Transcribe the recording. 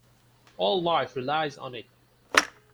All life relies on it.